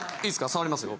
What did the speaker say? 触りますよ。